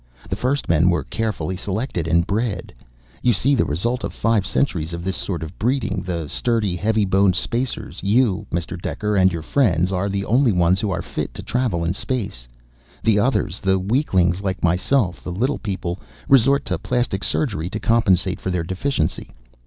The first men were carefully selected and bred. You see the result of five centuries of this sort of breeding. The sturdy, heavy boned Spacers you, Mr. Dekker, and your friends are the only ones who are fit to travel in space. The others, the weaklings like myself, the little people, resort to plastic surgery to compensate for their deficiency.